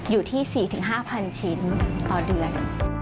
อยู่ที่๔๕๐๐ชิ้นต่อเดือน